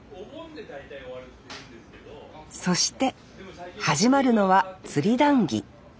そして始まるのは釣り談議。